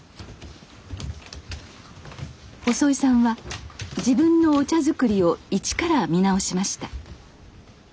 細井さんは自分のお茶作りをいちから見直しました